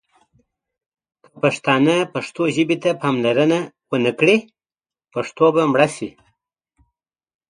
که پښتانه پښتو ژبې ته پاملرنه ونه کړي ، پښتو به مړه شي.